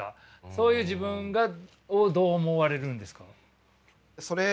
そういう自分をどう思われるんですか？